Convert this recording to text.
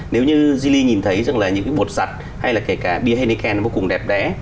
nếu như zili nhìn thấy rằng là những cái bột giặt hay là kể cả bia henneken vô cùng đẹp đẽ